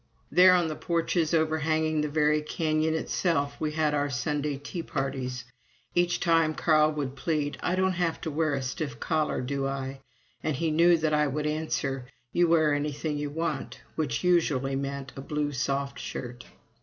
There, on the porches overhanging the very Canyon itself we had our Sunday tea parties. (Each time Carl would plead, "I don't have to wear a stiff collar, do I?" and he knew that I would answer, "You wear anything you want," which usually meant a blue soft shirt.)